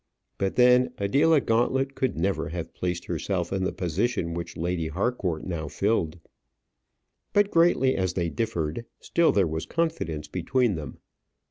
But then Adela Gauntlet could never have placed herself in the position which Lady Harcourt now filled. But greatly as they differed, still there was confidence between them.